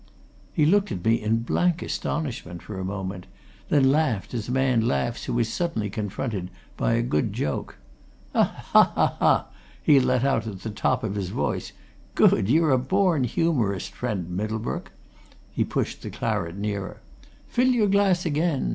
He looked at me in blank astonishment for a moment; then laughed as a man laughs who is suddenly confronted by a good joke. "Hah! hah! hah!" he let out at the top of his voice. "Good! you're a born humorist, friend Middlebrook!" He pushed the claret nearer. "Fill your glass again!